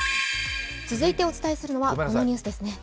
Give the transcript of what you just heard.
続いてお伝えするのはこのニュースですね。